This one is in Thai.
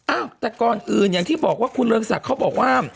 อ้าวแต่ก่อนอื่นอย่างที่บอกว่าคุณเรืองศักดิ์เขาบอกว่า